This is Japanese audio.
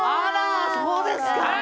そうですか。